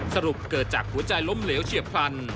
สรุปเกิดจากหัวใจล้มเหลวเฉียบพลัน